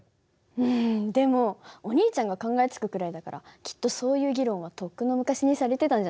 うんでもお兄ちゃんが考えつくくらいだからきっとそういう議論はとっくの昔にされてたんじゃない？